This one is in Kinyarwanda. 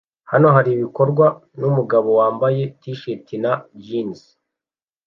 Hano haribikorwa numugabo wambaye t-shirt na jeans